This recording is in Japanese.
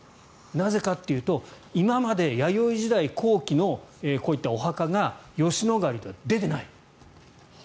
なぜかというと今まで弥生時代後期のこういったお墓が吉野ヶ里から出てない。